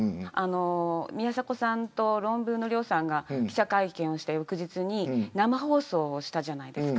宮迫さんとロンブーの亮さんが記者会見した翌日に生放送したじゃないですか。